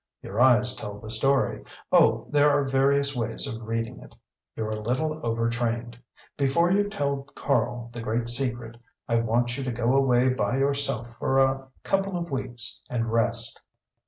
Your eyes tell the story; oh there are various ways of reading it. You're a little overtrained. Before you tell Karl the great secret I want you to go away by yourself for a couple of weeks and rest."